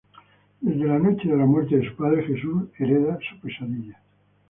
Desde la noche de la muerte de su padre Jesús hereda su pesadilla.